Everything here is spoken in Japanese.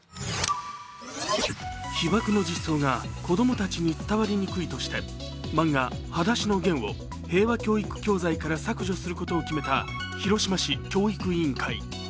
被爆の実相が子供たちに伝わりにくいとして漫画「はだしのゲン」を平和教育教材から削除することを決めた広島市教育委員会。